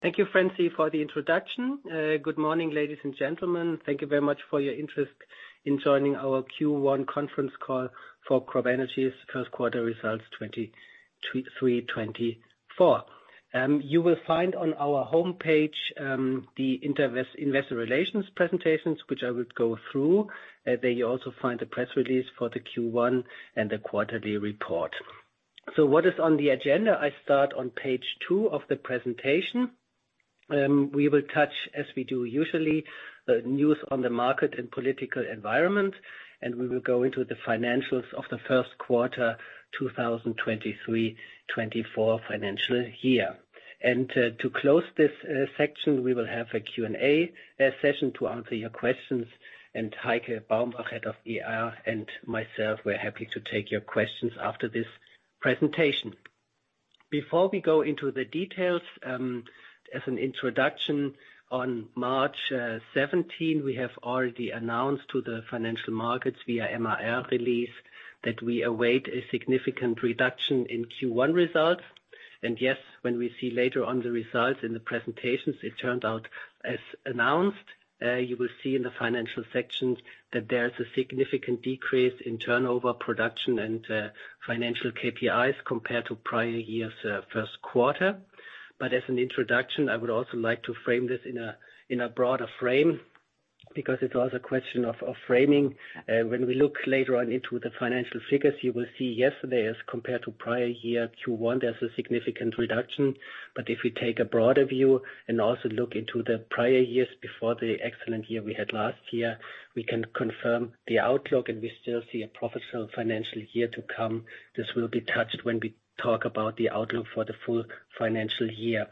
Thank you, Francine, for the introduction. Good morning, ladies and gentlemen. Thank you very much for your interest in joining our Q1 conference call for CropEnergies' first quarter results, 2023, 2024. You will find on our homepage the Investor Relations presentations, which I will go through. There you also find the press release for the Q1 and the quarterly report. What is on the agenda? I start on page two of the presentation. We will touch, as we do usually, the news on the market and political environment, and we will go into the financials of the first quarter, 2023, 2024 financial year. To close this section, we will have a Q&A session to answer your questions. Heike Baumbach, Head of IR, and myself, we're happy to take your questions after this presentation. Before we go into the details, as an introduction, on March 17, we have already announced to the financial markets via MIR release that we await a significant reduction in Q1 results. Yes, when we see later on the results in the presentations, it turned out as announced. You will see in the financial sections that there is a significant decrease in turnover production and financial KPIs compared to prior years' first quarter. As an introduction, I would also like to frame this in a broader frame, because it's also a question of framing. When we look later on into the financial figures, you will see, yes, there is, compared to prior year Q1, there's a significant reduction. If we take a broader view and also look into the prior years before the excellent year we had last year, we can confirm the outlook, and we still see a profitable financial year to come. This will be touched when we talk about the outlook for the full financial year.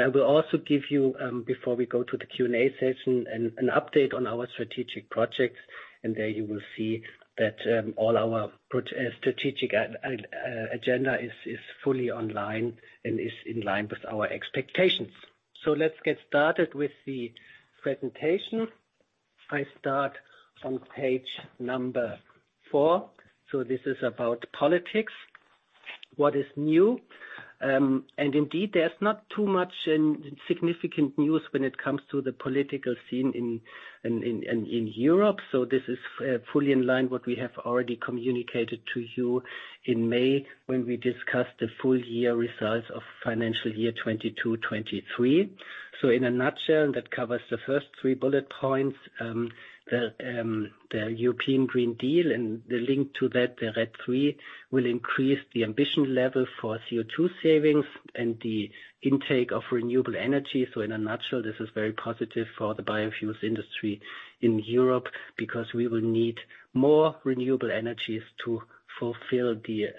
I will also give you before we go to the Q&A session, an update on our strategic projects, and there you will see that all our strategic agenda is fully online and is in line with our expectations. Let's get started with the presentation. I start on page four. This is about politics. What is new? Indeed, there's not too much in significant news when it comes to the political scene in Europe. This is fully in line what we have already communicated to you in May, when we discussed the full year results of financial year 2022, 2023. In a nutshell, that covers the first three bullet points. The European Green Deal, and the link to that, the RED III, will increase the ambition level for CO2 savings and the intake of renewable energy. In a nutshell, this is very positive for the biofuels industry in Europe, because we will need more renewable energies to fulfill the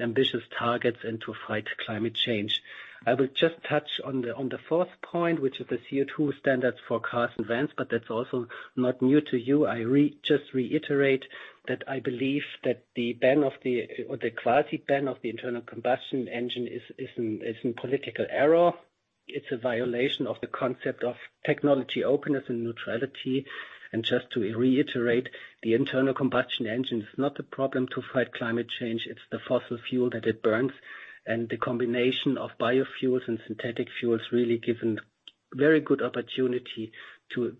ambitious targets and to fight climate change. I will just touch on the fourth point, which is the CO2 standards for cars and vans. That's also not new to you. I just reiterate that I believe that the ban of the, or the quasi ban of the internal combustion engine is an political error. It's a violation of the concept of technology openness and neutrality. Just to reiterate, the internal combustion engine is not the problem to fight climate change. It's the fossil fuel that it burns. The combination of biofuels and synthetic fuels really give an very good opportunity to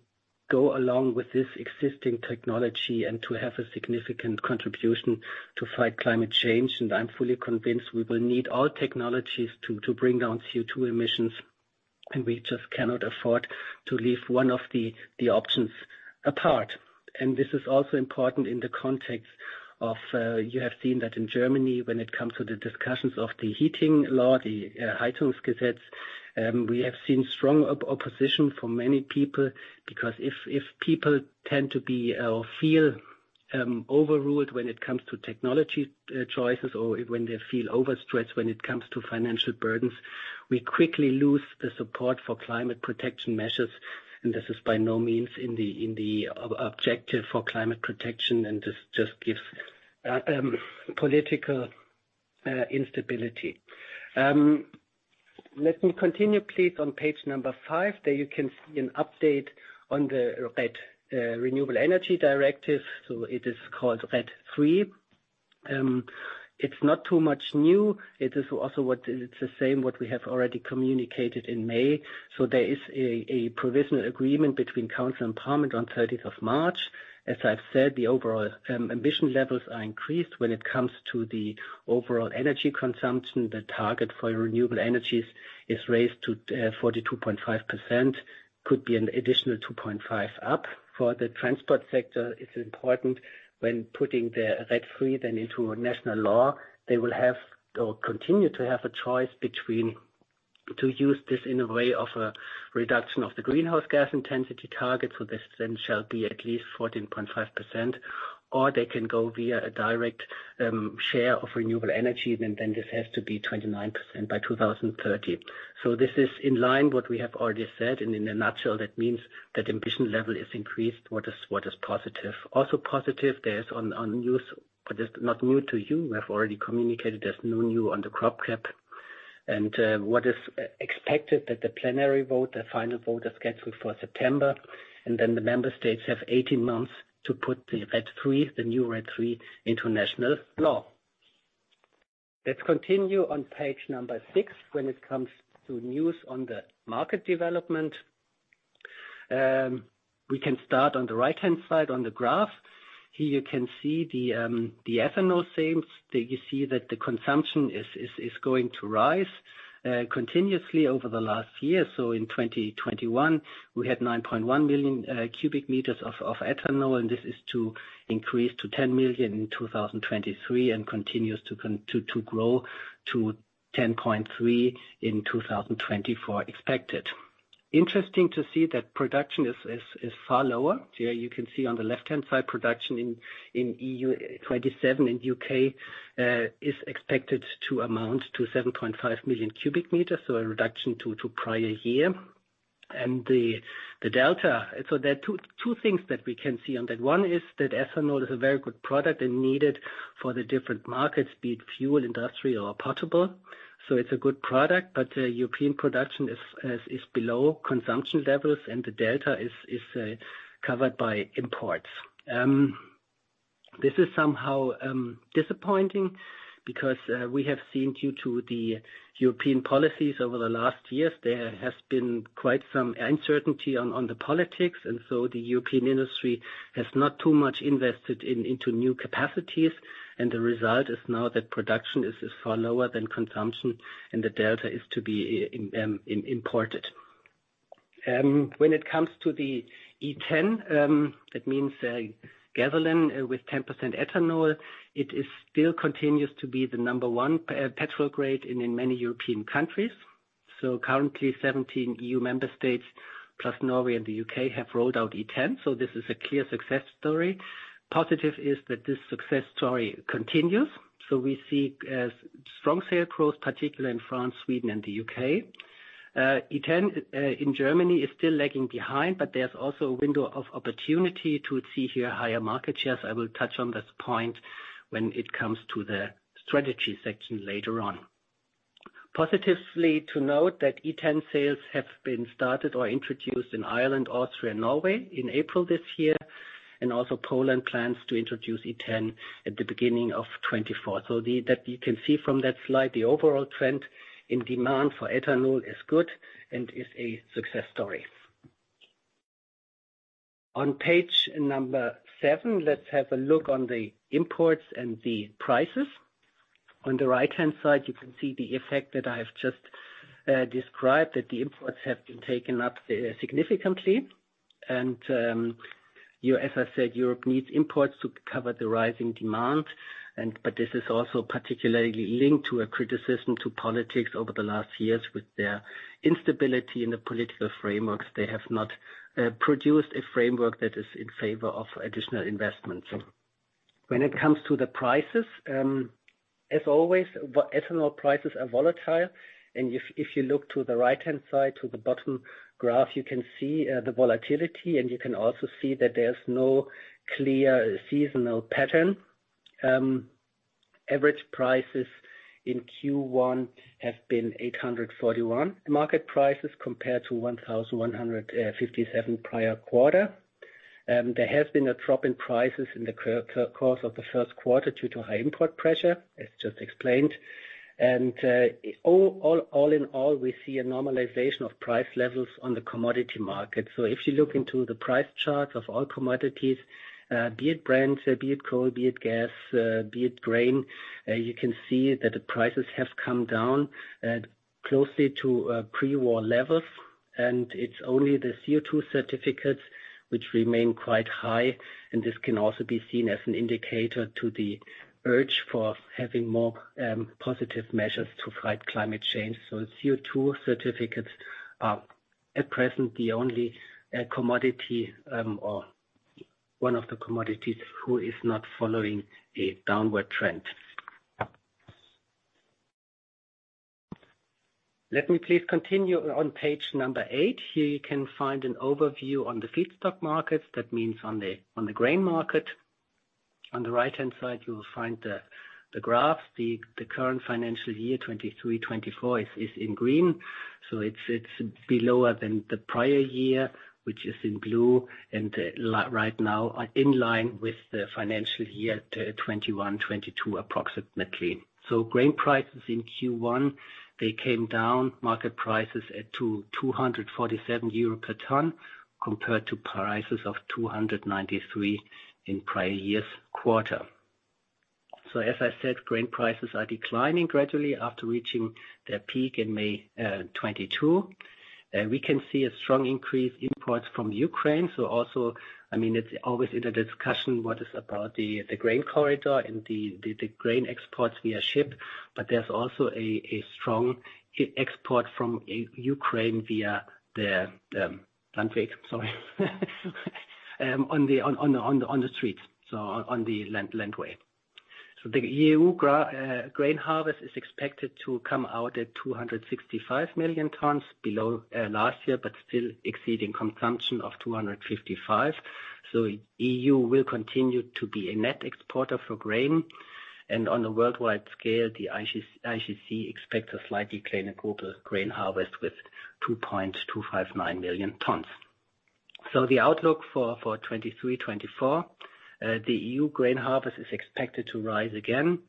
go along with this existing technology and to have a significant contribution to fight climate change. I'm fully convinced we will need all technologies to bring down CO2 emissions, we just cannot afford to leave one of the options apart. This is also important in the context of, you have seen that in Germany, when it comes to the discussions of the heating law, the Heizungsgesetz, we have seen strong opposition from many people, because if people tend to be or feel overruled when it comes to technology choices, or when they feel overstretched when it comes to financial burdens, we quickly lose the support for climate protection measures. This is by no means in the objective for climate protection, and this just gives political instability. Let me continue, please, on page number five. There you can see an update on the RED, Renewable Energy Directive. It is called RED III. It's not too much new. It is also the same what we have already communicated in May. There is a provisional agreement between Council and Parliament on 13th of March. As I've said, the overall ambition levels are increased when it comes to the overall energy consumption. The target for renewable energies is raised to 42.5%, could be an additional 2.5% up. For the transport sector, it's important when putting the RED III then into a national law, they will have, or continue to have a choice to use this in a way of a reduction of the greenhouse gas intensity target. This then shall be at least 14.5%, or they can go via a direct share of renewable energy, and then this has to be 29% by 2030. This is in line what we have already said, and in a nutshell, that means that ambition level is increased, what is positive. Also positive, there is on news, but it's not new to you. We have already communicated there's no new on the crop cap. What is expected that the plenary vote, the final vote, is scheduled for September, and then the member states have 18 months to put the RED III, the new RED III, into national law. Let's continue on page number six. When it comes to news on the market development, we can start on the right-hand side on the graph. Here you can see the ethanol sales. There you see that the consumption is going to rise continuously over the last year. In 2021, we had 9.1 million cubic meters of ethanol, and this is to increase to 10 million in 2023, and continues to grow to 10.3 in 2024 expected. Interesting to see that production is far lower. Here you can see on the left-hand side, production in EU 27 and U.K. is expected to amount to 7.5 million cubic meters, so a reduction to prior year. The delta. There are two things that we can see on that. One is that ethanol is a very good product and needed for the different markets, be it fuel, industrial, or portable. It's a good product, but European production is below consumption levels, and the delta is covered by imports. This is somehow disappointing, because we have seen due to the European policies over the last years, there has been quite some uncertainty on the politics. The European industry has not too much invested into new capacities, and the result is now that production is far lower than consumption, and the delta is to be imported. When it comes to the E10, that means gasoline with 10% ethanol, it still continues to be the number one petrol grade in many European countries. Currently, 17 EU member states, plus Norway and the U.K., have rolled out E10. This is a clear success story. Positive is that this success story continues, so we see strong sales growth, particularly in France, Sweden, and the U.K. E10 in Germany is still lagging behind, but there's also a window of opportunity to see here higher market shares. I will touch on this point when it comes to the strategy section later on. Positively to note that E10 sales have been started or introduced in Ireland, Austria, and Norway in April this year, and also Poland plans to introduce E10 at the beginning of 2024. That you can see from that slide, the overall trend in demand for ethanol is good and is a success story. On page seven, let's have a look on the imports and the prices. On the right-hand side, you can see the effect that I have just described, that the imports have been taken up significantly. As I said, Europe needs imports to cover the rising demand, but this is also particularly linked to a criticism to politics over the last years with their instability in the political frameworks. They have not produced a framework that is in favor of additional investments. When it comes to the prices, as always, ethanol prices are volatile, and if you look to the right-hand side, to the bottom graph, you can see the volatility, and you can also see that there's no clear seasonal pattern. Average prices in Q1 have been 841. Market prices compared to 1,157 prior quarter. There has been a drop in prices in the course of the first quarter due to high import pressure, as just explained. All in all, we see a normalization of price levels on the commodity market. If you look into the price charts of all commodities, be it Brent, be it coal, be it gas, be it grain, you can see that the prices have come down closely to pre-war levels, and it's only the CO2 certificates which remain quite high. This can also be seen as an indicator to the urge for having more positive measures to fight climate change. CO2 certificates are at present, the only commodity, or one of the commodities who is not following a downward trend. Let me please continue on page number eight. Here you can find an overview on the feedstock markets. That means on the grain market. On the right-hand side, you will find the graphs. The current financial year, 2023, 2024, is in green. It's below than the prior year, which is in blue, and right now in line with the financial year 2021, 2022, approximately. Grain prices in Q1, they came down, market prices, at 247 euro per ton, compared to prices of 293 in prior years' quarter. As I said, grain prices are declining gradually after reaching their peak in May 2022. We can see a strong increase imports from Ukraine. Also, I mean, it's always in the discussion, what is about the grain corridor and the grain exports via ship, but there's also a strong export from Ukraine via the land way. Sorry. On the street, on the land way. The EU grain harvest is expected to come out at 265 million tons. The outlook for 2023, 2024, the EU grain harvest is expected to rise again,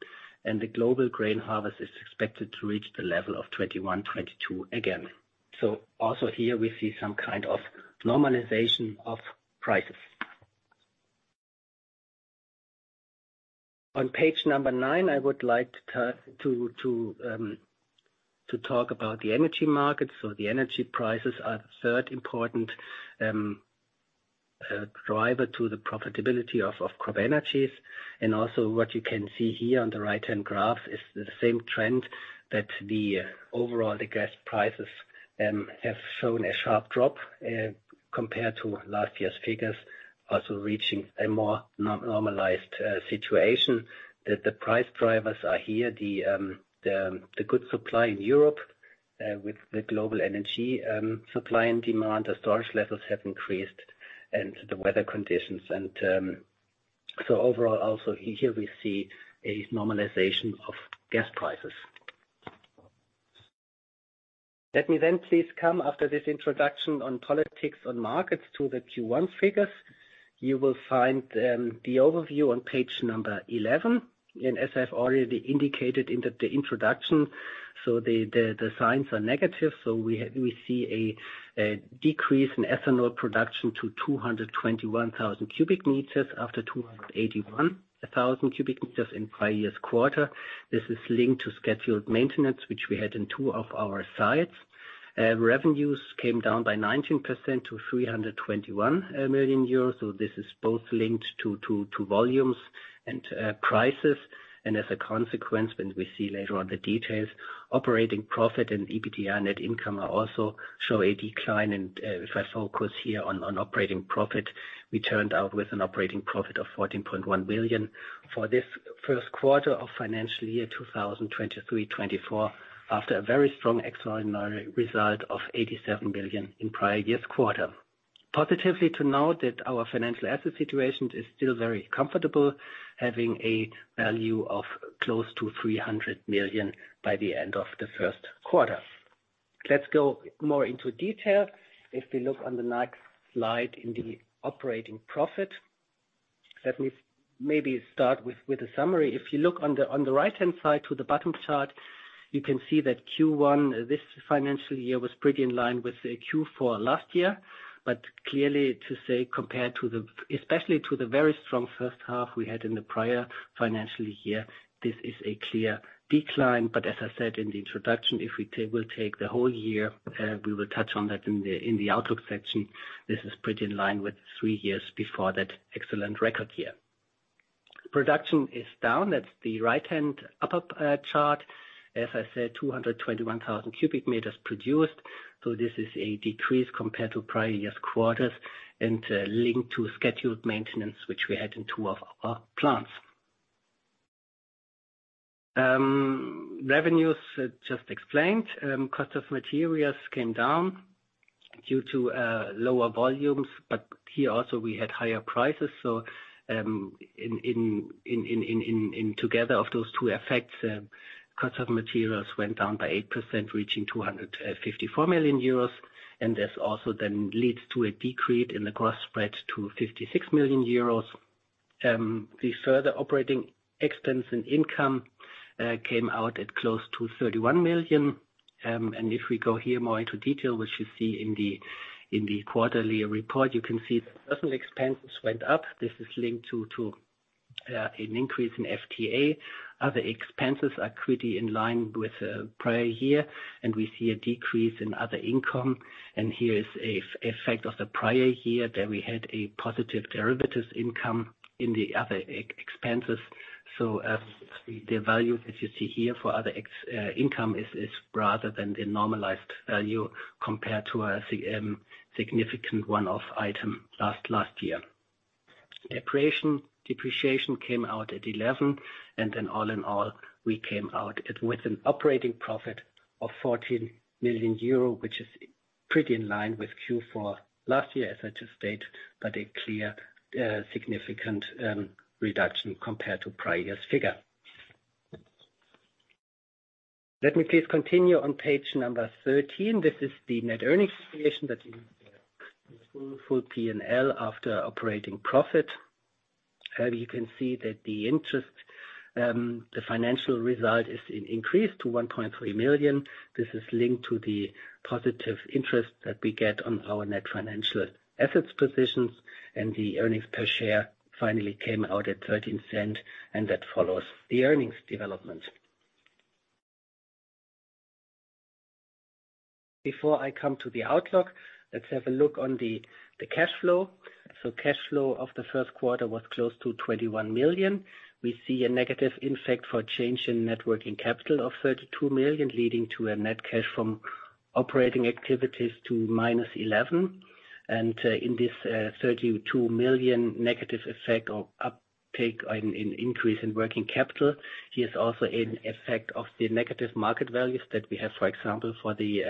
and the global grain harvest is expected to reach the level of 2021, 2022 again. Also here we see some kind of normalization of prices. On page nine, I would like to talk about the energy market. The energy prices are the third important driver to the profitability of CropEnergies. Also, what you can see here on the right-hand graph is the same trend, that the overall, the gas prices have shown a sharp drop compared to last year's figures, also reaching a more normalized situation. The price drivers are here, the good supply in Europe, with the global energy supply and demand, the storage levels have increased and the weather conditions. So overall, here we see a normalization of gas prices. Let me please come after this introduction on politics, on markets, to the Q1 figures. You will find the overview on page number 11. As I've already indicated in the introduction, the signs are negative, we see a decrease in ethanol production to 221,000 cubic meters after 281,000 cubic meters in prior year's quarter. This is linked to scheduled maintenance, which we had in two of our sites. Revenues came down by 19% to 321 million euros. This is both linked to volumes and prices. As a consequence, when we see later on the details, operating profit and EBITDA net income are also show a decline. If I focus here on operating profit, we turned out with an operating profit of 14.1 billion for this first quarter of financial year 2023, 2024, after a very strong extraordinary result of 87 billion in prior year's quarter. Positively to note that our financial asset situation is still very comfortable, having a value of close to 300 million by the end of the first quarter. Let's go more into detail. If we look on the next slide in the operating profit, let me start with a summary. If you look on the right-hand side to the bottom chart, you can see that Q1, this financial year, was pretty in line with the Q4 last year. Clearly to say, compared to the, especially to the very strong first half we had in the prior financial year, this is a clear decline. As I said in the introduction, we'll take the whole year, we will touch on that in the outlook section. This is pretty in line with three years before that excellent record year. Production is down. That's the right-hand upper chart. As I said, 221,000 cubic meters produced, so this is a decrease compared to prior year's quarters and linked to scheduled maintenance, which we had in two of our plants. Revenues, just explained. Cost of materials came down due to lower volumes, but here also we had higher prices. In together of those two effects, cost of materials went down by 8%, reaching 254 million euros, this also then leads to a decrease in the gross spread to 56 million euros. The further operating expense and income came out at close to 31 million. If we go here more into detail, which you see in the quarterly report, you can see personal expenses went up. This is linked to an increase in FTE. Other expenses are pretty in line with prior year, we see a decrease in other income. Here is a effect of the prior year, that we had a positive derivatives income in the other ex-expenses. The value that you see here for other income is rather than the normalized value compared to a significant one-off item last year. Depreciation came out at 11 million, all in all, we came out with an operating profit of 14 million euro, which is pretty in line with Q4 last year, as I just stated, but a clear, significant reduction compared to prior year's figure. Let me please continue on page number 13. This is the net earnings situation that is full PNL after operating profit. You can see that the interest, the financial result is increased to 1.3 million. This is linked to the positive interest that we get on our net financial assets positions, and the earnings per share finally came out at 0.13, and that follows the earnings development. Before I come to the outlook, let's have a look on the cash flow. Cash flow of the first quarter was close to 21 million. We see a negative impact for change in net working capital of 32 million, leading to a net cash from operating activities to -11 million. In this 32 million negative effect or uptake on an increase in working capital, here is also an effect of the negative market values that we have, for example, for the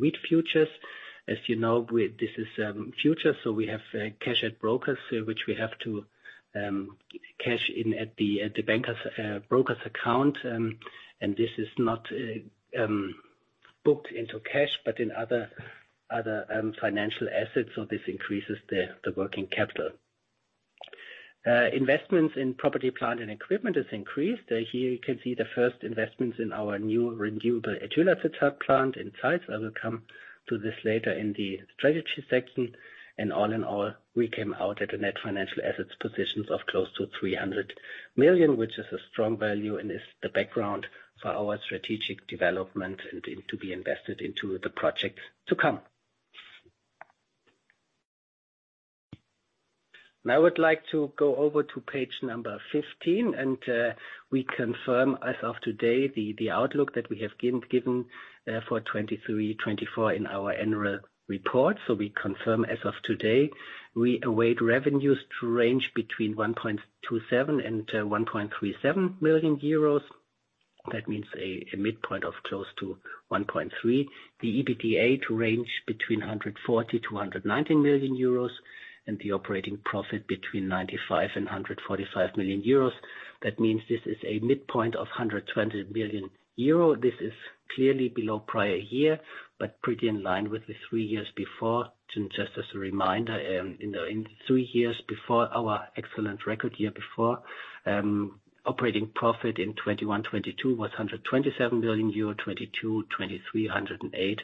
wheat futures. As you know, this is future, so we have cash at brokers, which we have to cash in at the bankers brokers account. This is not booked into cash, but in other financial assets, so this increases the working capital. Investments in property, plant, and equipment has increased. Here you can see the first investments in our new renewable ethylene plant in sites. I will come to this later in the strategy section. All in all, we came out at a net financial assets positions of close to 300 million, which is a strong value and is the background for our strategic development and to be invested into the projects to come. I would like to go over to page number 15. We confirm, as of today, the outlook that we have given for 2023, 2024 in our annual report. We confirm, as of today, we await revenues to range between 1.27 million and 1.37 million euros. That means a midpoint of close to 1.3 million. The EBITDA to range between 140 million euros and 190 million euros, and the operating profit between 95 million euros and 145 million euros. That means this is a midpoint of 120 million euro. This is clearly below prior year, but pretty in line with the three years before. Just as a reminder, in the three years before our excellent record year before, operating profit in 2021, 2022 was 127 million euro. 2022, 2023, 108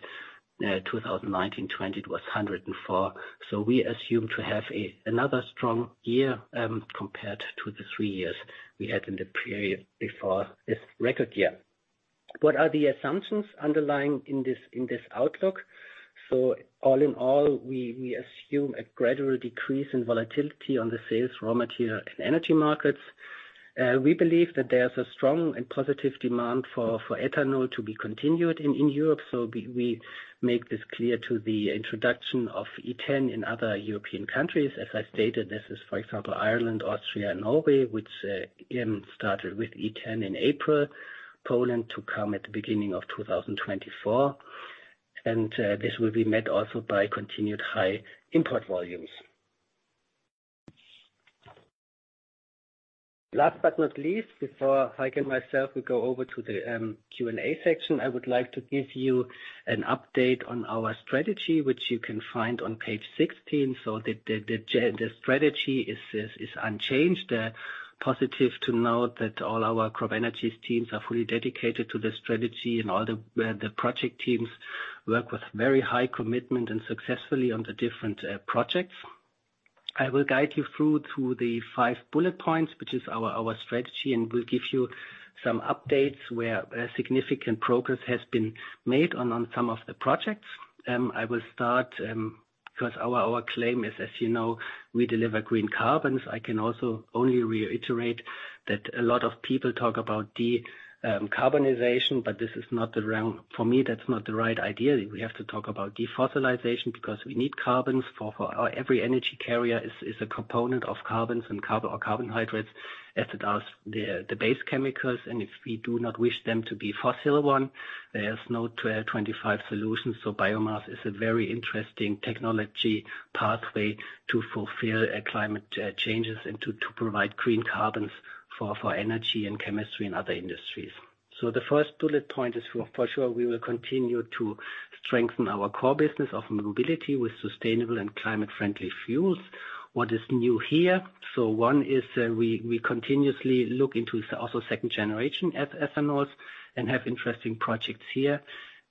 million. 2019, 2020, it was 104 million. We assume to have another strong year compared to the three years we had in the period before this record year. What are the assumptions underlying in this outlook? All in all, we assume a gradual decrease in volatility on the sales, raw material, and energy markets. We believe that there's a strong and positive demand for ethanol to be continued in Europe. We make this clear to the introduction of E10 in other European countries. As I stated, this is, for example, Ireland, Austria, and Norway, which started with E10 in April. Poland to come at the beginning of 2024. This will be met also by continued high import volumes. Last but not least, before Heike and myself, we go over to the Q&A section, I would like to give you an update on our strategy, which you can find on page 16. The strategy is unchanged. Positive to note that all our CropEnergies teams are fully dedicated to the strategy, and all the project teams work with very high commitment and successfully on the different projects. I will guide you through to the five bullet points, which is our strategy, and we'll give you some updates where significant progress has been made on some of the projects. I will start because our claim is, as you know, we deliver green carbons. I can also only reiterate that a lot of people talk about decarbonization. For me, that's not the right idea. We have to talk about defossilization, because we need carbons for our every energy carrier is a component of carbons and carbon or carbohydrates, as it is the base chemicals, and if we do not wish them to be fossil one, there is no 12-25 solution. Biomass is a very interesting technology pathway to fulfill climate changes and to provide green carbons for energy and chemistry in other industries. The first bullet point is for sure, we will continue to strengthen our core business of mobility with sustainable and climate-friendly fuels. What is new here? One is, we continuously look into also second generation ethanol and have interesting projects here.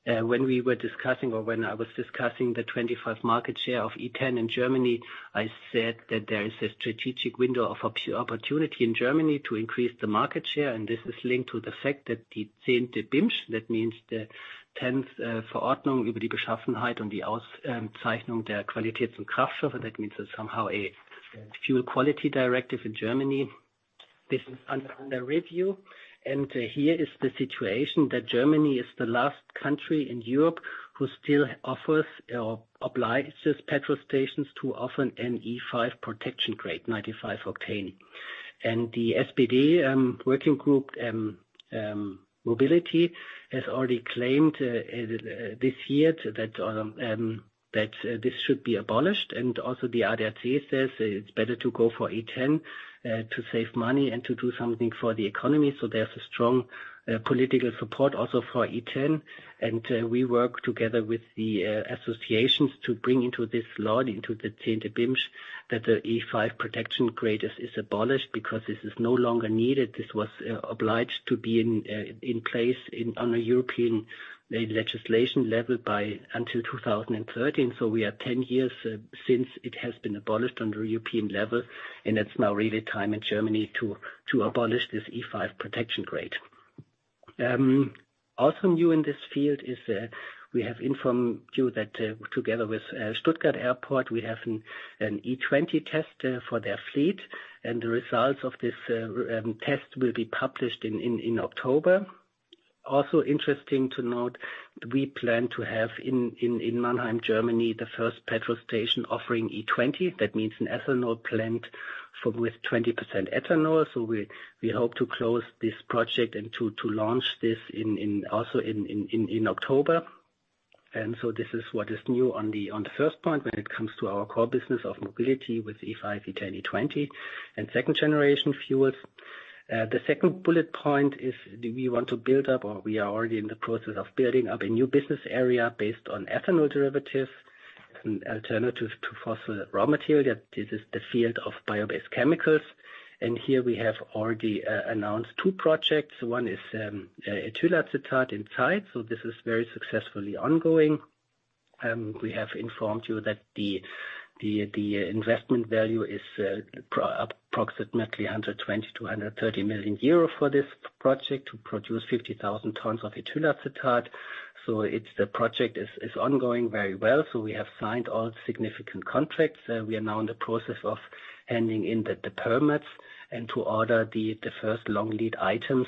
When we were discussing or when I was discussing the 25% market share of E10 in Germany, I said that there is a strategic window of opportunity in Germany to increase the market share, and this is linked to the fact that the Zehnte BImSch, that means the tenth, Verordnung über die Beschaffenheit und die Auszeichnung der Qualitäts- und Kraftstoffe, that means somehow a fuel quality directive in Germany. This is under review. Here is the situation, that Germany is the last country in Europe who still offers or obliges petrol stations to offer an E5 protection grade, 95 octane. The SPD working group mobility has already claimed this year that this should be abolished. Also the ADAC says it's better to go for E10 to save money and to do something for the economy. There's a strong political support also for E10, and we work together with the associations to bring into this law, into the 10. BImSchV, that the E5 protection grade is abolished because this is no longer needed. This was obliged to be in place in, on a European legislation level by until 2013. We are 10 years since it has been abolished on the European level, and it's now really time in Germany to abolish this E5 protection grade. Also new in this field is we have informed you that together with Stuttgart Airport, we have an E20 test for their fleet, and the results of this test will be published in October. Also interesting to note, we plan to have in Mannheim, Germany, the first petrol station offering E20. That means an ethanol plant for with 20% ethanol. We hope to close this project and to launch this in October. This is what is new on the first point when it comes to our core business of mobility with E5, E10, E20, and second generation fuels. The second bullet point is, do we want to build up, or we are already in the process of building up a new business area based on ethanol derivative and alternative to fossil raw material. This is the field of bio-based chemicals, and here we have already announced two projects. One is ethyl acetate in Zeitz. This is very successfully ongoing. We have informed you that the investment value is approximately 120 million euro to 130 million euro for this project to produce 50,000 tons of ethyl acetate. It's, the project is ongoing very well. We have signed all significant contracts. We are now in the process of handing in the permits and to order the first long lead items.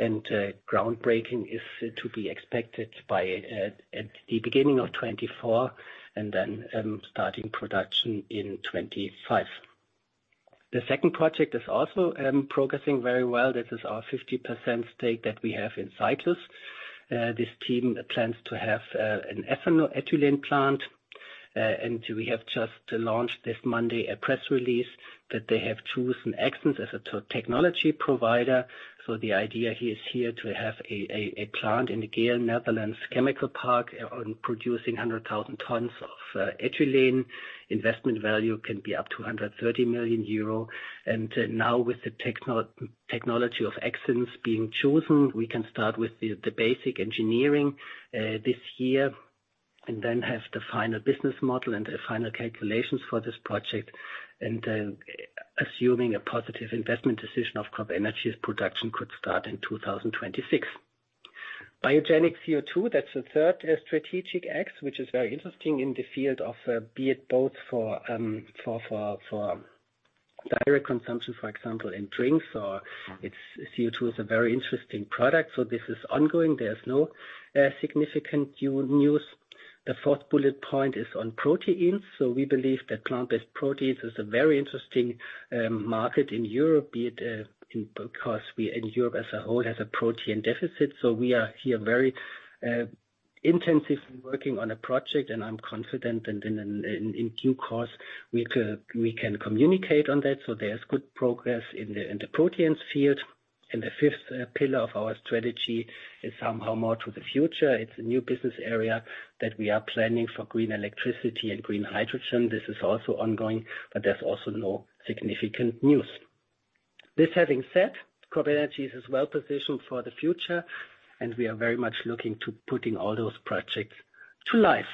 Groundbreaking is to be expected at the beginning of 2024, and then starting production in 2025. The second project is also progressing very well. This is our 50% stake that we have in Syclus. This team plans to have an ethanol ethylene plant. We have just launched this Monday, a press release that they have chosen Axens as a technology provider. The idea is here to have a plant in the Geleen, Netherlands chemical park on producing 100,000 tons of ethylene. Investment value can be up to 130 million euro. Now with the technology of Axens being chosen, we can start with the basic engineering this year, and then have the final business model and the final calculations for this project. Assuming a positive investment decision of CropEnergies, production could start in 2026. Biogenic CO2, that's the third strategic X, which is very interesting in the field of, be it both for direct consumption, for example, in drinks, or its CO2 is a very interesting product. This is ongoing. There's no significant new news. The fourth bullet point is on proteins. We believe that plant-based proteins is a very interesting market in Europe, be it because we in Europe as a whole, has a protein deficit. We are here very intensively working on a project, and I'm confident that in due course, we can communicate on that. There's good progress in the proteins field. The fifth pillar of our strategy is somehow more to the future. It's a new business area that we are planning for green electricity and green hydrogen. This is also ongoing, but there's also no significant news. This having said, CropEnergies is well positioned for the future, and we are very much looking to putting all those projects to life.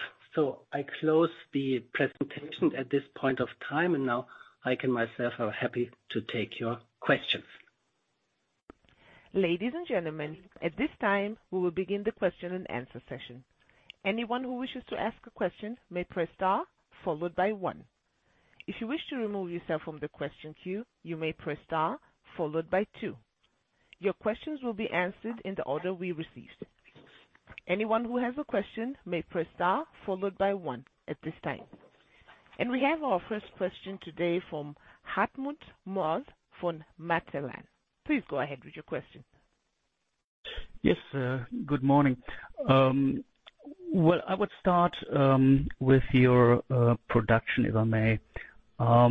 I close the presentation at this point of time, and now Heike and myself are happy to take your questions. Ladies and gentlemen, at this time, we will begin the question and answer session. Anyone who wishes to ask a question may press star followed by one. If you wish to remove yourself from the question queue, you may press star followed by two. Your questions will be answered in the order we received. Anyone who has a question may press star followed by one at this time. We have our first question today from Hartmut Moers from Matelan. Please go ahead with your question. Yes, good morning. Well, I would start with your production, if I may. I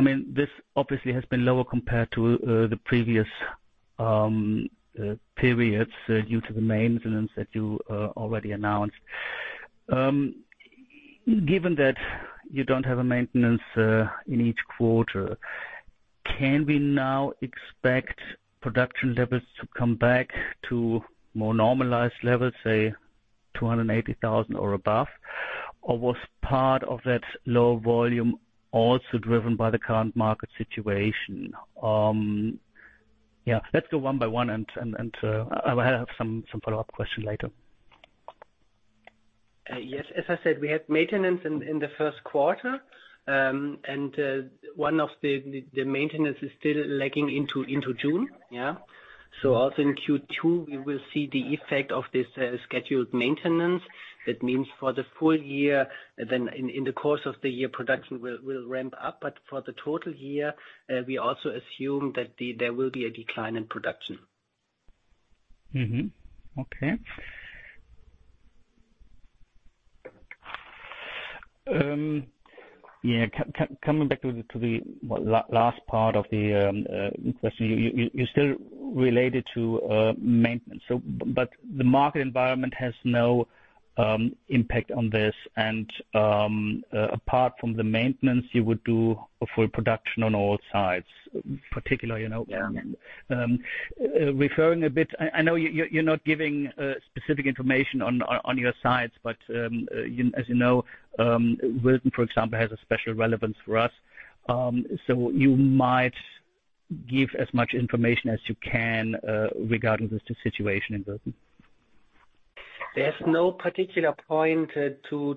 mean, this obviously has been lower compared to the previous periods due to the maintenance that you already announced. Given that you don't have a maintenance in each quarter, can we now expect production levels to come back to more normalized levels, say 280,000 or above? Or was part of that low volume also driven by the current market situation? Yeah, let's go one by one, and, I will have some follow-up question later. Yes, as I said, we had maintenance in the first quarter, and one of the maintenance is still lagging into June. Yeah? Also in Q2, we will see the effect of this scheduled maintenance. That means for the full year, in the course of the year, production will ramp up. For the total year, we also assume that there will be a decline in production. Okay. Yeah, coming back to the last part of the question, you still relate it to maintenance. The market environment has no impact on this. Apart from the maintenance, you would do a full production on all sides, particular, you know? Yeah. Referring a bit, I know you're not giving specific information on your sides. As you know, Württemberg, for example, has a special relevance for us. You might give as much information as you can regarding the situation in Württemberg. There's no particular point to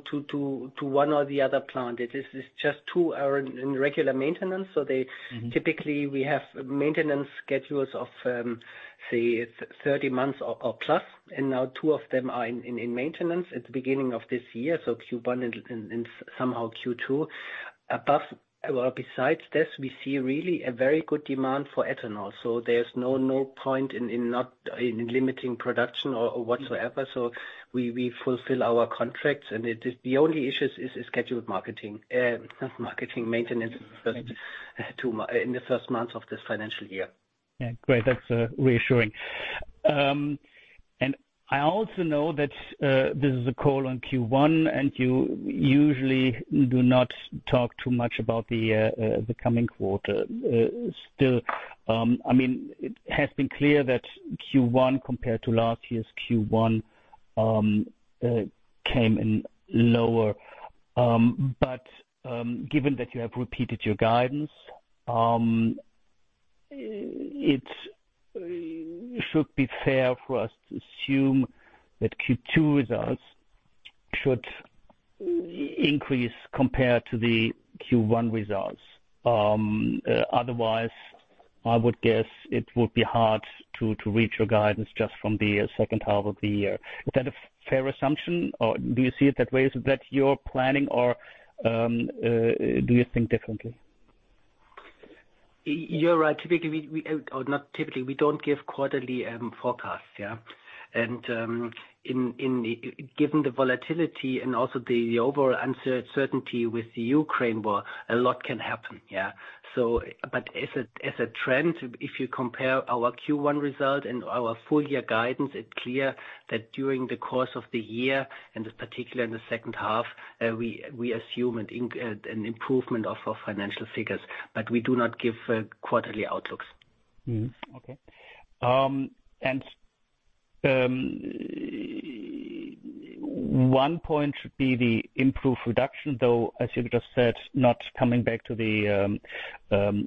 one or the other plant. It is just two are in regular maintenance. Mm-hmm. Typically, we have maintenance schedules of 30 months or plus. Now two of them are in maintenance at the beginning of this year, so Q1 and somehow Q2. Besides this, we see really a very good demand for ethanol, there's no point in not limiting production or whatsoever. We fulfill our contracts. The only issue is scheduled marketing maintenance in two months, in the first month of this financial year. Yeah. Great. That's reassuring. I also know that this is a call on Q1, and you usually do not talk too much about the coming quarter. Still, I mean, it has been clear that Q1 compared to last year's Q1 came in lower. Given that you have repeated your guidance, it should be fair for us to assume that Q2 results should increase compared to the Q1 results. Otherwise, I would guess it would be hard to reach your guidance just from the second half of the year. Is that a fair assumption, or do you see it that way? Is that your planning, or do you think differently? You're right. Typically, we or not typically, we don't give quarterly forecasts, yeah? In the, given the volatility and also the overall uncertainty with the Ukraine war, a lot can happen, yeah. But as a, as a trend, if you compare our Q1 result and our full year guidance, it's clear that during the course of the year, and particularly in the second half, we assume an improvement of our financial figures, but we do not give quarterly outlooks. Okay. One point should be the improved production, though, as you just said, not coming back to the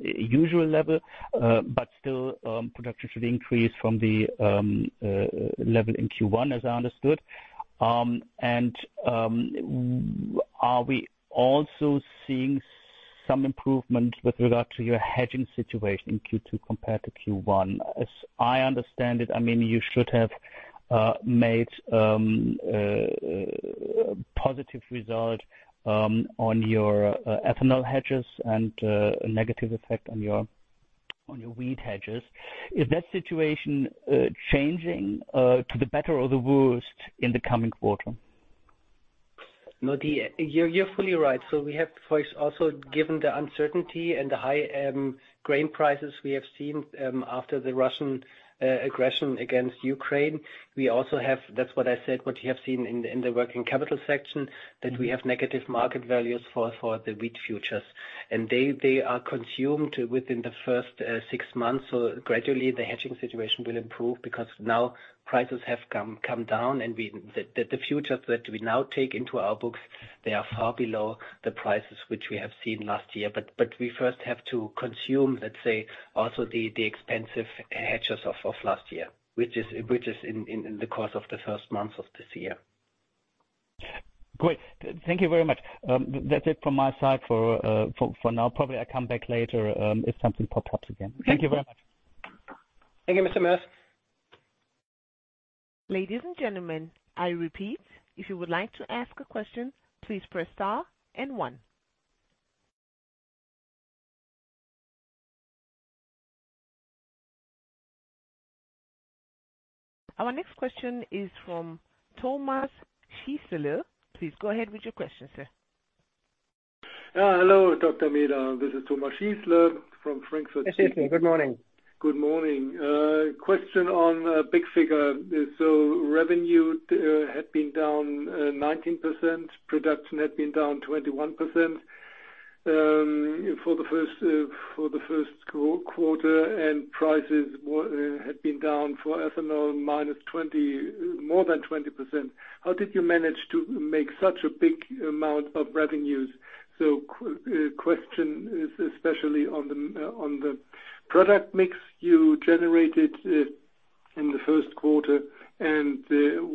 usual level, but still, production should increase from the level in Q1, as I understood. Are we also seeing some improvement with regard to your hedging situation in Q2 compared to Q1? As I understand it, I mean, you should have made positive result on your ethanol hedges and a negative effect on your wheat hedges. Is that situation changing to the better or the worse in the coming quarter? No, you're fully right. We have, for also, given the uncertainty and the high grain prices we have seen after the Russian aggression against Ukraine, we also have. That's what I said, what you have seen in the working capital section, that we have negative market values for the wheat futures. They are consumed within the first six months, gradually the hedging situation will improve, because now prices have come down, and we, the futures that we now take into our books, they are far below the prices which we have seen last year. We first have to consume, let's say, also the expensive hedges of last year, which is in the course of the first months of this year. Great. Thank you very much. That's it from my side for now. Probably I come back later, if something pops up again. Thank you very much. Thank you, Mr. Moers. Ladies and gentlemen, I repeat, if you would like to ask a question, please press star and one. Our next question is from Thomas Schießle. Please go ahead with your question, sir. Hello, Dr. Meeder, this is Thomas Schießle from Frankfurt. Yes, good morning. Good morning. Question on big figure. Revenue had been down 19%, production had been down 21% for the first quarter, and prices had been down for ethanol, -20%, more than 20%. How did you manage to make such a big amount of revenues? Question is especially on the product mix you generated in the first quarter, and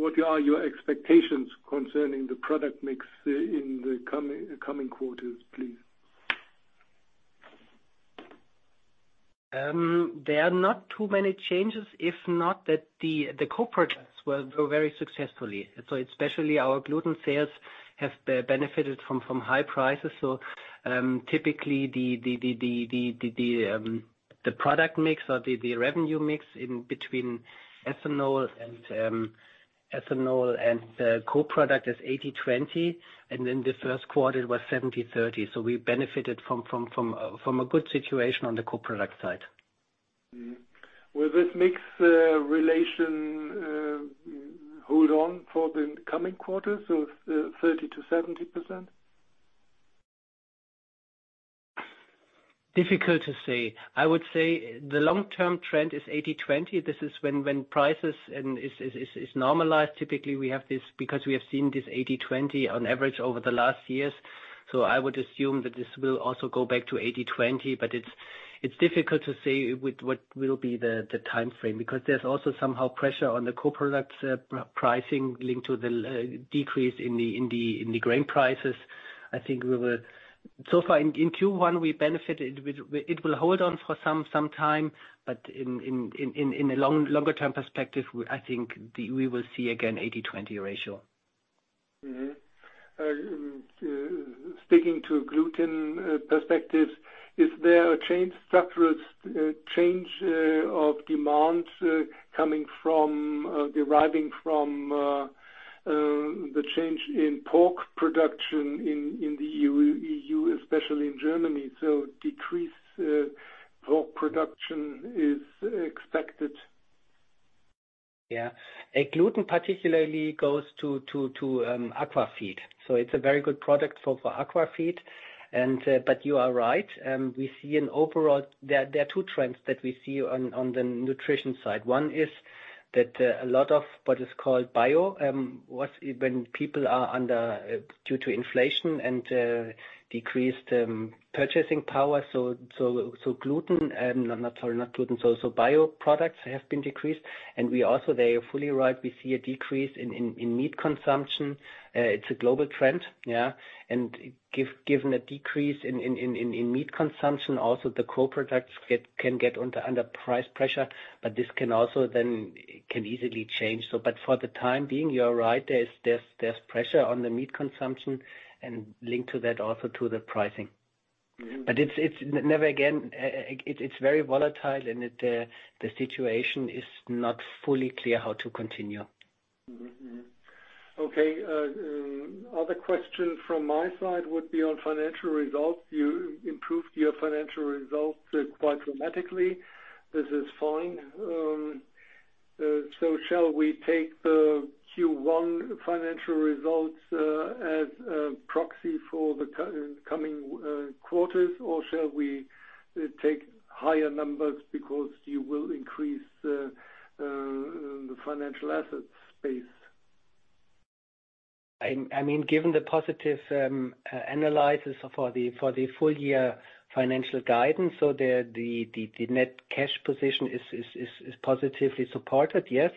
what are your expectations concerning the product mix in the coming quarters, please? there are not too many changes, if not that the co-products were very successfully. Especially our gluten sales have benefited from high prices. typically, the product mix or the revenue mix in between ethanol and the co-product is 80/20, and in the first quarter, it was 70/30. we benefited from a good situation on the co-product side. Will this mix relation hold on for the coming quarters, so 30%-70%? Difficult to say. I would say the long-term trend is 80/20. This is when prices and is normalized. Typically, we have this because we have seen this 80/20 on average over the last years. I would assume that this will also go back to 80/20, but it's difficult to say with what will be the timeframe, because there's also somehow pressure on the co-product pricing linked to the decrease in the grain prices. I think we will. So far in Q1, we benefited with, it will hold on for some time, but in a long, longer term perspective, I think we will see again 80/20 ratio. Speaking to gluten perspectives, is there a change, structural change, of demand deriving from the change in pork production in the EU, especially in Germany. Decreased pork production is expected? Gluten particularly goes to aqua feed, so it's a very good product for aqua feed. You are right. We see there are two trends that we see on the nutrition side. One is that a lot of what is called bio when people are under due to inflation and decreased purchasing power, so gluten, no, not, sorry, not gluten, so bioproducts have been decreased. We also, they are fully right, we see a decrease in meat consumption. It's a global trend, yeah. Given a decrease in meat consumption, also the co-products can get under price pressure, but this can also then, can easily change. For the time being, you are right, there's pressure on the meat consumption and linked to that, also to the pricing. Mm-hmm. It's never again, it's very volatile, and it, the situation is not fully clear how to continue. Okay, other question from my side would be on financial results. You improved your financial results quite dramatically. This is fine. Shall we take the Q1 financial results as a proxy for the coming quarters, or shall we take higher numbers because you will increase the financial assets base? I mean, given the positive analysis for the full year financial guidance, the net cash position is positively supported, yes.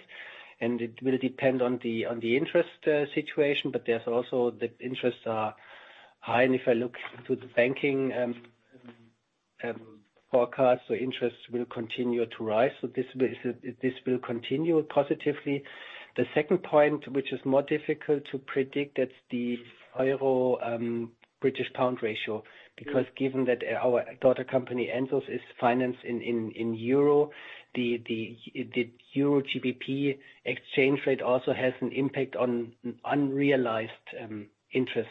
It will depend on the interest situation. There's also the interests are high. If I look to the banking forecast, interests will continue to rise. This will continue positively. The second point, which is more difficult to predict, that's the EUR GBP ratio. Mm-hmm. Given that our daughter company, Ensus, is financed in Euro, the Euro GBP exchange rate also has an impact on unrealized interest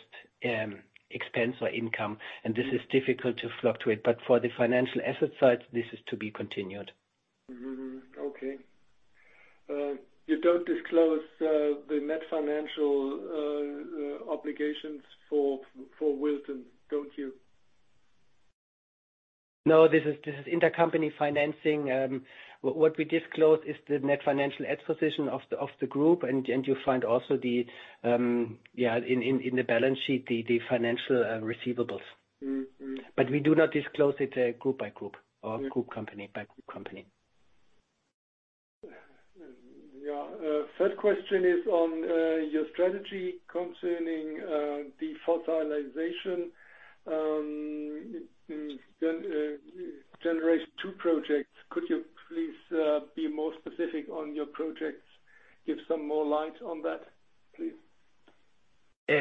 expense or income. Mm-hmm. This is difficult to fluctuate. For the financial asset side, this is to be continued. Okay. You don't disclose, the net financial, obligations for Wilton, don't you? This is intercompany financing. What we disclose is the net financial exposition of the group, and you find also the, yeah, in the balance sheet, the financial receivables. Mm-hmm, mm-hmm. We do not disclose it, group by group. Mm or group company by group company. Yeah. Third question is on your strategy concerning defossilization. Generation 2 projects, could you please be more specific on your projects? Give some more light on that, please.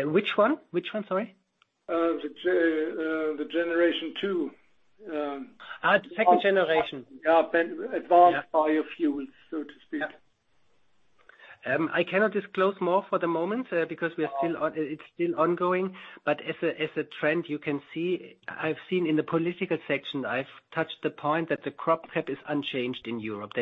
Which one? Which one, sorry? The generation 2 Second generation. Yeah, advanced- Yeah... biofuels, so to speak. Yeah. I cannot disclose more for the moment. Ah... it's still ongoing. As a trend, you can see, I've seen in the political section, I've touched the point that the crop cap is unchanged in Europe.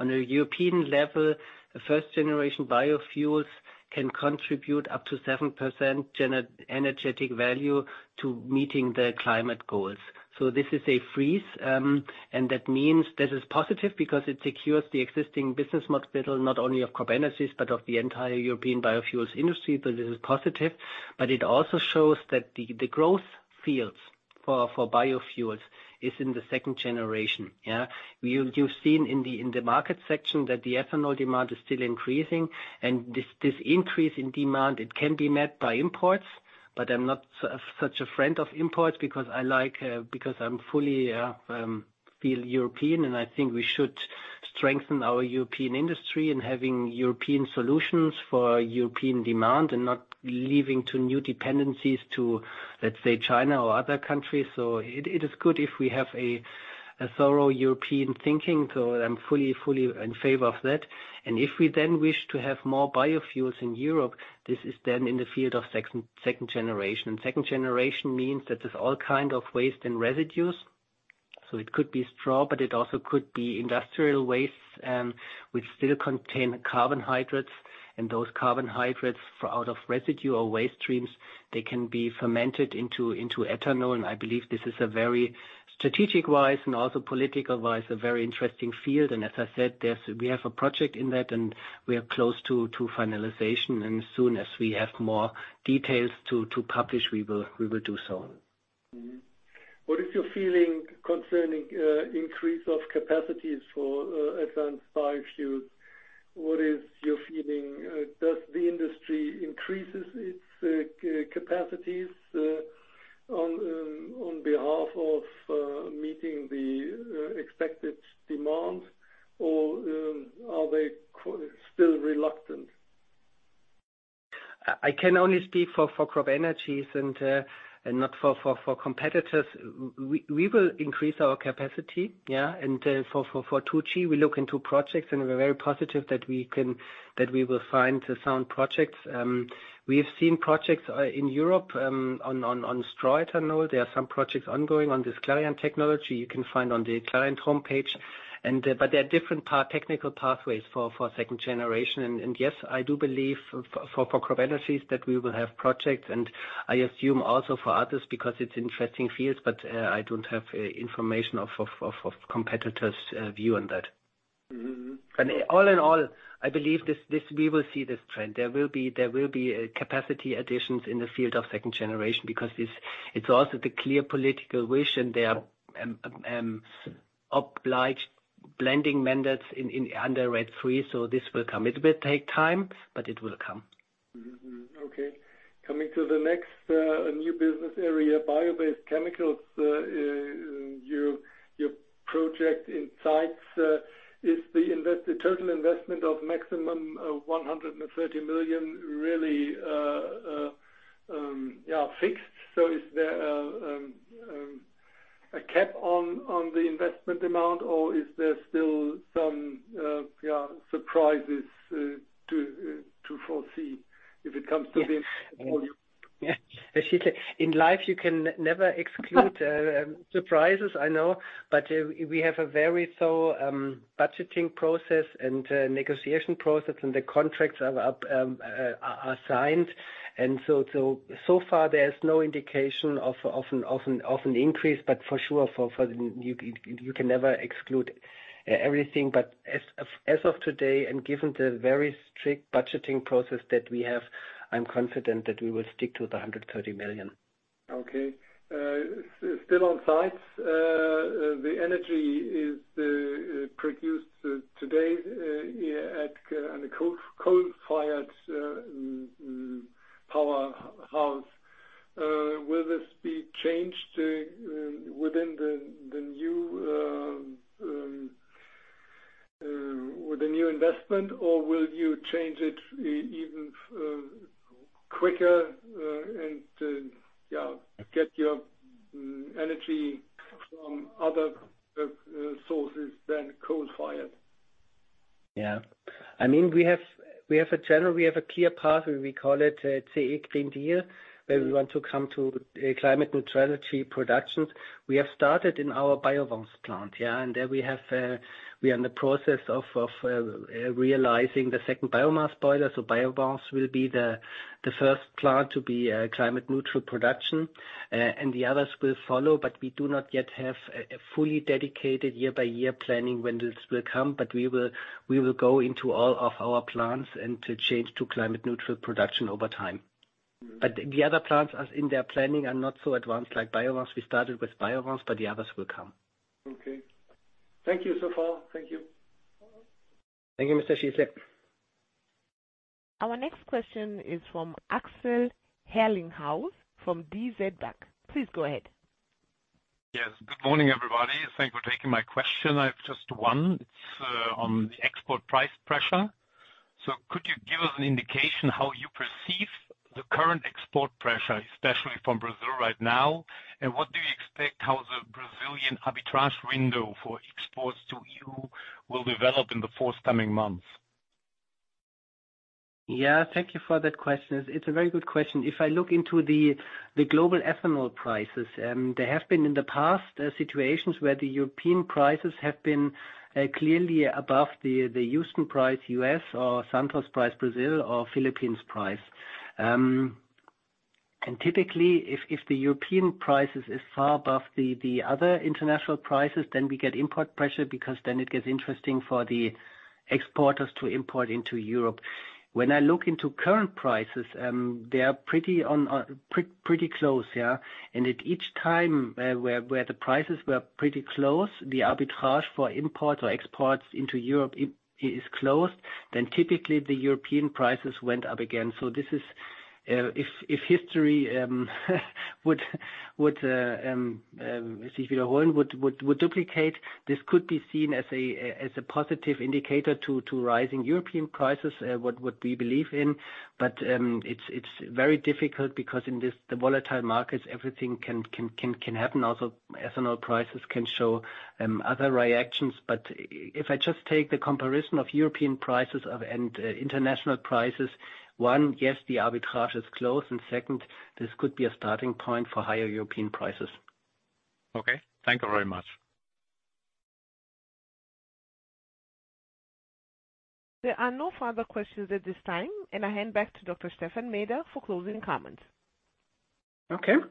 On a European level, the first-generation biofuels can contribute up to 7% energetic value to meeting the climate goals. This is a freeze, that means this is positive because it secures the existing business model, not only of CropEnergies, but of the entire European biofuels industry. This is positive. It also shows that the growth fields for biofuels is in the second generation, yeah. You've seen in the market section that the ethanol demand is still increasing. This increase in demand, it can be met by imports, but I'm not such a friend of imports because I like because I'm fully feel European, and I think we should strengthen our European industry in having European solutions for European demand and not leaving to new dependencies to, let's say, China or other countries. It is good if we have a thorough European thinking, so I'm fully in favor of that. If we then wish to have more biofuels in Europe, this is then in the field of second generation. Second generation means that it's all kind of waste and residues, so it could be straw, but it also could be industrial waste, which still contain carbohydrates, and those carbohydrates for out of residue or waste streams, they can be fermented into ethanol, and I believe this is a very strategic-wise and also political-wise, a very interesting field. As I said, we have a project in that, and we are close to finalization, and as soon as we have more details to publish, we will do so. What is your feeling concerning, increase of capacities for advanced biofuels? What is your feeling? Does the industry increases its capacities on behalf of meeting the expected demand, or are they still reluctant? I can only speak for CropEnergies and not for competitors. We will increase our capacity, yeah, and for 2G, we look into projects, and we're very positive that we will find some projects. We have seen projects in Europe on straw ethanol. There are some projects ongoing on this Clariant technology you can find on the Clariant homepage. But there are different technical pathways for second generation. Yes, I do believe for CropEnergies that we will have projects, and I assume also for others, because it's interesting fields, but I don't have information of competitors' view on that. All in all, I believe this we will see this trend. There will be capacity additions in the field of second generation, because it's also the clear political wish, and there are obliged blending mandates under RED III, so this will come. It will take time, but it will come. Okay, coming to the next new business area, bio-based chemicals. your project in sites is the total investment of maximum 130 million really fixed? Is there a cap on the investment amount, or is there still some surprises to foresee if it comes to the volume? Yeah. In life, you can never exclude surprises, I know. We have a very thorough budgeting process and negotiation process, and the contracts are up, are signed. So far, there's no indication of an increase, but for sure, for you can never exclude everything. As of today, and given the very strict budgeting process that we have, I'm confident that we will stick to the 130 million. Okay. Still on sites, the energy is produced today at on a coal-fired power house. Will this be changed within the new with the new investment, or will you change it even quicker, and yeah, get your energy from other sources than coal-fired? I mean, we have a channel, we have a clear path, we call it CE Green Deal, where we want to come to a climate neutrality production. We have started in our BioWanze plant, there we have, we are in the process of realizing the second biomass boiler. BioWanze will be the first plant to be a climate-neutral production, the others will follow. We do not yet have a fully dedicated year-by-year planning when this will come. We will go into all of our plants and to change to climate-neutral production over time. The other plants, as in their planning, are not so advanced like BioWanze. We started with BioWanze, the others will come. Okay. Thank you so far. Thank you. Thank you, Mr. Schießle. Our next question is from Axel Herlinghaus, from DZ BANK. Please go ahead. Yes, good morning, everybody. Thank you for taking my question. I have just one. It's on the export price pressure. Could you give us an indication how you perceive the current export pressure, especially from Brazil right now? What do you expect, how the Brazilian arbitrage window for exports to EU will develop in the forthcoming months? Yeah, thank you for that question. It's a very good question. If I look into the global ethanol prices, there have been in the past situations where the European prices have been clearly above the Houston price, U.S., or Santos price, Brazil, or Philippines price. Typically, if the European prices is far above the other international prices, then we get import pressure, because then it gets interesting for the exporters to import into Europe. When I look into current prices, they are pretty on, pretty close, yeah. At each time, where the prices were pretty close, the arbitrage for imports or exports into Europe is closed, then typically the European prices went up again. This is, if history would duplicate, this could be seen as a positive indicator to rising European prices, what we believe in. It's very difficult because in this, the volatile markets, everything can happen. Also, ethanol prices can show other reactions. If I just take the comparison of European prices and international prices, one, yes, the arbitrage is closed, and second, this could be a starting point for higher European prices. Okay. Thank you very much. There are no further questions at this time, and I hand back to Dr. Stephan Meeder for closing comments. Okay. Thank you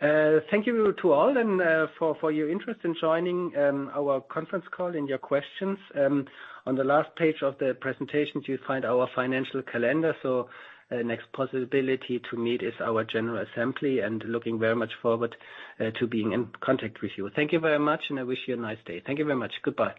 to all and for your interest in joining our conference call and your questions. On the last page of the presentations, you'll find our financial calendar. The next possibility to meet is our general assembly, and looking very much forward to being in contact with you. Thank you very much, and I wish you a nice day. Thank you very much. Goodbye.